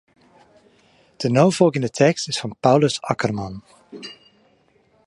De no folgjende tekst is fan Paulus Akkerman.